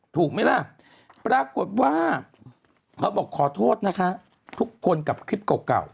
ถูกไหมล่ะปรากฏว่าเขาบอกขอโทษนะคะทุกคนกับคลิปเก่า